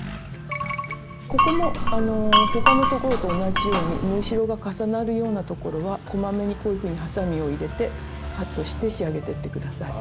ここも他のところと同じように縫い代が重なるようなところはこまめにこういうふうにはさみを入れてカットして仕上げていって下さい。